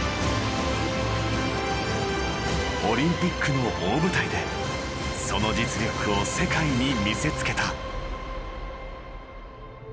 オリンピックの大舞台でその実力を世界に見せつけた。